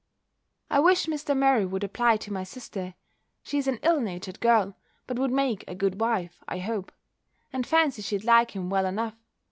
I wish Mr. Murray would apply to my sister. She is an ill natured girl; but would make a good wife, I hope; and fancy she'd like him well enough.